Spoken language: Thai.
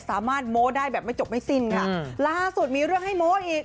โม้ได้แบบไม่จบไม่สิ้นค่ะล่าสุดมีเรื่องให้โม้อีก